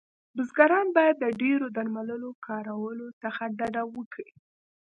بزګران باید د ډیرو درملو کارولو څخه ډډه وکړی